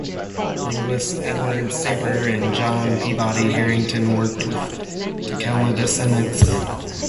Linguists Edward Sapir and John Peabody Harrington worked with Takelma descendants.